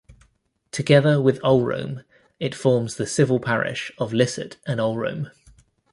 Together with Ulrome it forms the civil parish of Lissett and Ulrome.